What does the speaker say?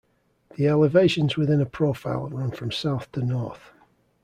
The elevations within a profile run from south to north.